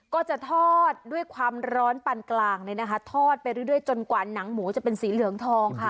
ก็จะทอดด้วยความร้อนปันกลางเลยนะคะทอดไปเรื่อยจนกว่าหนังหมูจะเป็นสีเหลืองทองค่ะ